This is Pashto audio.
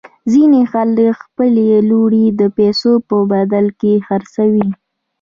ځینې خلک خپلې لوڼې د پیسو په بدل کې خرڅوي.